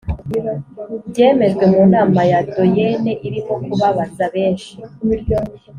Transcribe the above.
byemejwe mu nama ya doyenné irimo, kubabaza benshi